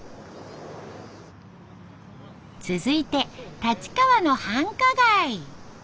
続いて立川の繁華街。